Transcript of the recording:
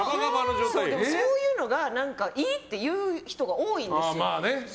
でもそういうのがいいと言う人が多いんですよ。